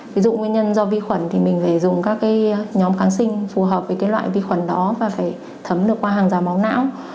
ví dụ nguyên nhân do vi khuẩn thì mình phải dùng các cái nhóm kháng sinh phù hợp với loại vi khuẩn đó và phải thấm được qua hàng rào máu não